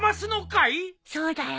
そうだよ。